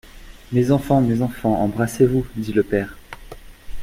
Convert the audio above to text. Mes enfants, mes enfants, embrassez-vous ! dit le père.